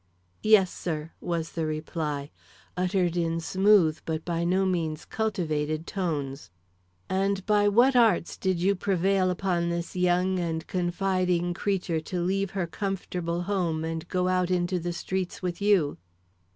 "Yes, sir," was the reply, uttered in smooth but by no means cultivated tones. "And by what arts did you prevail upon this young and confiding creature to leave her comfortable home and go out into the streets with you?"